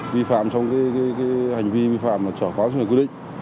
vi phạm trong cái hành vi vi phạm trở quá quy định